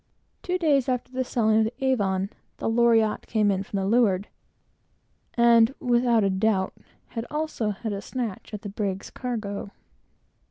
Two days after the sailing of the Avon, the Loriotte came in from the leeward, and without doubt had also a snatch at the brig's cargo.